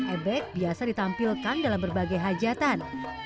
ebek biasa ditampilkan dalam berbagai hajatan